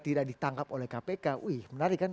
tidak ditangkap oleh kpk wih menarik kan